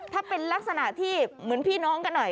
ถ้าเป็นลักษณะที่เหมือนพี่น้องกันหน่อย